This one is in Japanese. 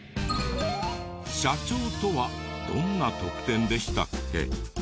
社長とはどんな特典でしたっけ？